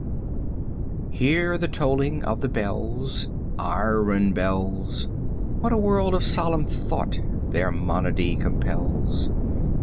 IV Hear the tolling of the bells, 70 Iron bells! What a world of solemn thought their monody compels!